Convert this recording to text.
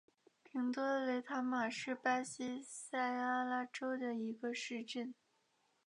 平多雷塔马是巴西塞阿拉州的一个市镇。